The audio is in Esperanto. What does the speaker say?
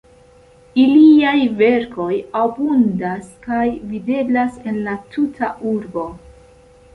Iliaj verkoj abundas kaj videblas en la tuta urbo.